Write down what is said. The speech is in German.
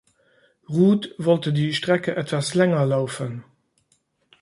Ruth wollte die Strecke etwas länger laufen.